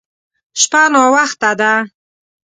شپه ناوخته ده.